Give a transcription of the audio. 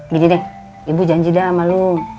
gede deh ibu janji deh sama lu